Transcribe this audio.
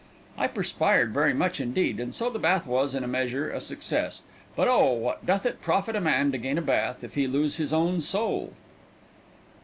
I perspired very much, indeed, and so the bath was, in a measure, a success, but oh, what doth it profit a man to gain a bath if he lose his own soul?